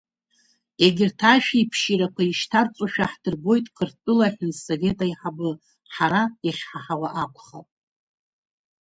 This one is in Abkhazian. Егьырҭ ашәиԥшьирақәа ишьҭарҵошәа ҳдырбоит Қырҭтәыла аҳәынҭсовет аиҳабы, ҳара иахьҳаҳауа акәхап.